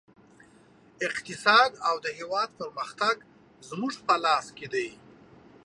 اقتصاد او د هېواد پرمختګ زموږ په لاس کې دی